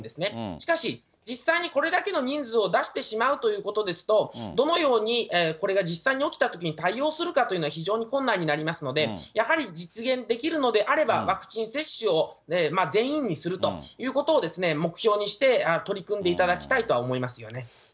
しかし、実際にこれだけの人数を出してしまうということですと、どのようにこれが実際に起きたときに対応するかというのは、非常に困難になりますので、やはり実現できるのであればワクチン接種を全員にするということを目標にして、取り組んでいただきたいとは思いますよね。